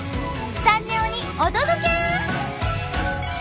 スタジオにお届け！